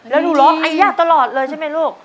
แล้วหนูร้องไอยาตลอดเลยใช่ไหมลูก